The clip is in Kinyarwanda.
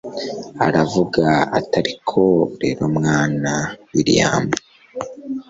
aravuga atiariko rero mwana william